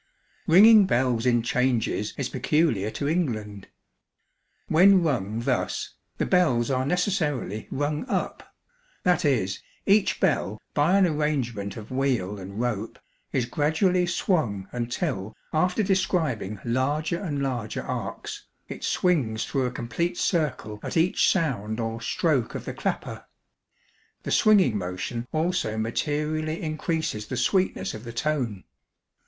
Ringing bells in changes is peculiar to England. When rung thus, the bells are necessarily rung 'up;' that is, each bell, by an arrangement of wheel and rope, is gradually swung until, after describing larger and larger arcs, it swings through a complete circle at each sound or stroke of the clapper. The swinging motion also materially increases the sweetness of the tone.